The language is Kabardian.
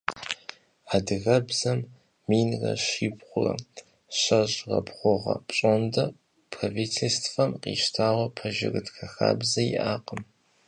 Адыгэбзэм минрэ щибгъурэ щэщӏрэ бгъу гъэ пщӏондэ правительствэм къищтауэ пэжырытхэ хабзэ иӏакъым.